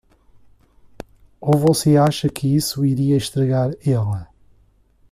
Ou você acha que isso iria estragar ele?